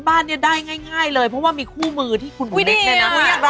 บ้านเนี่ยได้ง่ายเลยเพราะว่ามีคู่มือที่คุณนิกเนี่ยนะ